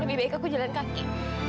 lebih baik aku jalan kaki